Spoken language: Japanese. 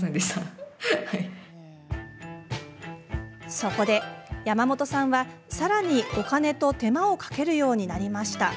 そこで、やまもとさんはさらにお金と手間をかけるようになりました。